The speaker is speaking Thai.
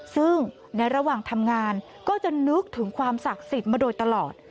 ซึ่งในระหว่างทำงานก็จะนึกถึงความศักดิ์สิทธิ์มาโดยตลอด